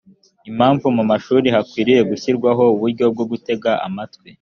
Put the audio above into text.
mpamvu mu mashuri hakwiye gushyirwaho uburyo bwo gutegwa amatwi